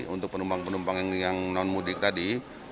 untuk penumpang penumpang yang non mudik tadi